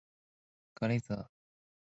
格雷泽。